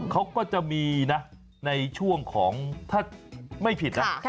เขาก็จะมีถ้าไม่ผิด